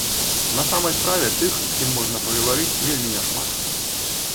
На самай справе тых, з кім можна пагаварыць, вельмі няшмат.